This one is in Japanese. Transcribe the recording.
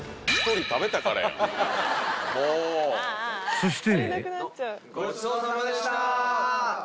［そして］